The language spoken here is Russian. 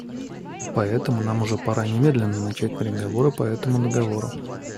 И поэтому нам уже пора немедленно начать переговоры по этому договору.